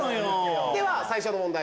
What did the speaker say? では最初の問題